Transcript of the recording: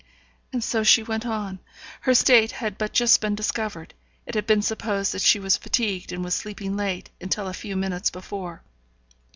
and so she went on. Her state had but just been discovered; it had been supposed that she was fatigued, and was sleeping late, until a few minutes before.